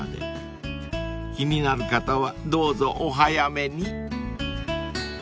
［気になる方はどうぞお早めに］